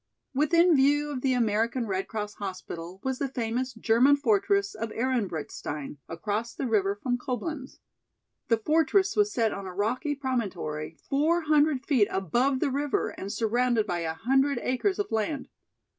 Within view of the American Red Cross hospital was the famous German fortress of Ehrenbreitstein across the river from Coblenz. The fortress was set on a rocky promontory four hundred feet above the river and surrounded by a hundred acres of land.